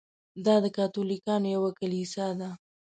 دا د کاتولیکانو یوه کلیسا ده.